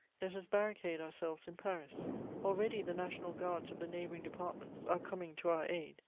Let us barricade ourselves in Paris. Already the national guards of the neighbouring departments are coming to our aid.